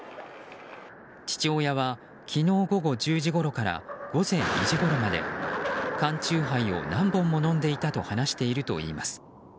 父親は昨日午後１０時ごろから午前２時ごろまで缶酎ハイを何本も飲んでいたと話しているといいます。